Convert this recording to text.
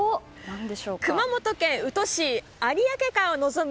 熊本県宇土市有明海を望む